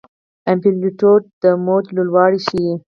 امپلیتیوډ د موج لوړوالی ښيي.